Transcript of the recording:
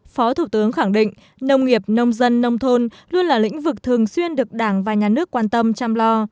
phó thủ tướng khẳng định nông nghiệp nông dân nông thôn luôn là lĩnh vực thường xuyên được đảng và nhà nước quan tâm chăm lo